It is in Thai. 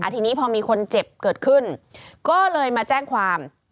ทีนี้พอมีคนเจ็บเกิดขึ้นก็เลยมาแจ้งความ